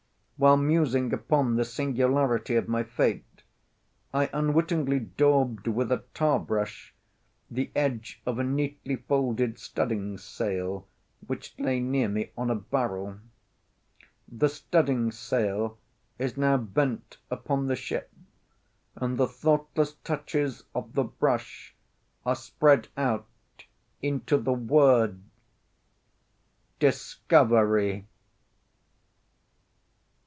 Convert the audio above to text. While musing upon the singularity of my fate, I unwittingly daubed with a tar brush the edges of a neatly folded studding sail which lay near me on a barrel. The studding sail is now bent upon the ship, and the thoughtless touches of the brush are spread out into the word DISCOVERY.